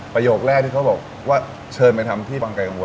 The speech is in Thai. ประโยคแรกที่เขาบอกว่าเชิญไปทำที่บางไกลกังวล